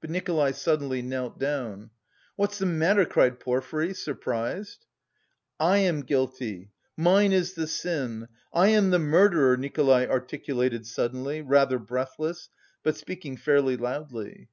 But Nikolay suddenly knelt down. "What's the matter?" cried Porfiry, surprised. "I am guilty! Mine is the sin! I am the murderer," Nikolay articulated suddenly, rather breathless, but speaking fairly loudly.